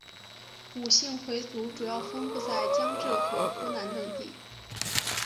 伍姓回族主要分布在江浙和湖南等地。